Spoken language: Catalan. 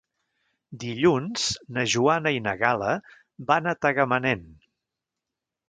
Dilluns na Joana i na Gal·la van a Tagamanent.